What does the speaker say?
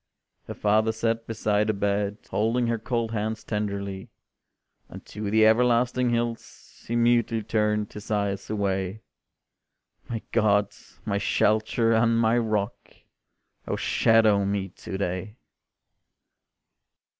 Her father sat beside the bed, Holding her cold hands tenderly, And to the everlasting hills He mutely turned his eyes away: "My God, my Shelter, and my Rock, Oh shadow me to day!"